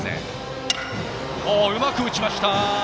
うまく打ちました！